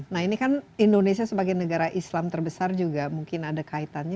nah ini kan indonesia sebagai negara islam terbesar juga mungkin ada kaitannya